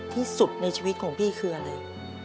ที่สุดในชีวิตของพี่คืออะไร